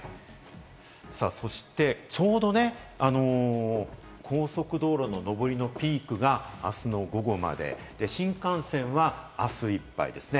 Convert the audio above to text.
そしてちょうど高速道路の上りのピークが明日の午後まで、新幹線は明日いっぱいですね。